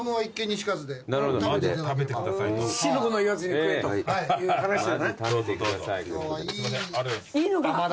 四の五の言わずに食えという話だな。